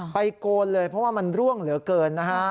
เพราะว่ามันร่วงเหลือเกินนะฮะ